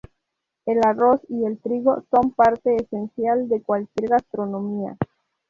El arroz y el trigo son parte esencial de cualquier gastronomía.